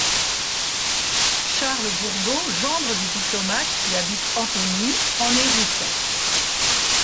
Charles Bourdeau, gendre du diplomate, qui habite Antony, en hérite.